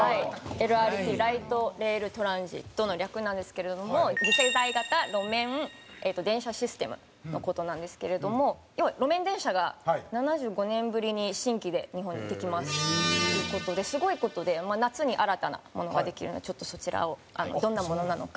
「ＬｉｇｈｔＲａｉｌＴｒａｎｓｉｔ」の略なんですけれども。の事なんですけれども要は路面電車が７５年ぶりに新規で日本にできますという事ですごい事で夏に新たなものができるんでちょっとそちらをどんなものなのか。